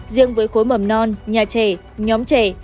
riêng với khối mầm non nhà trẻ nhóm trẻ